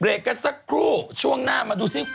กันสักครู่ช่วงหน้ามาดูซิ